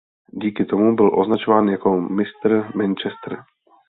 Díky tomu byl označován jako „Mr Manchester“.